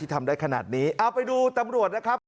ทำได้ขนาดนี้เอาไปดูตำรวจนะครับ